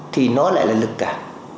thì nó lại là lực cảm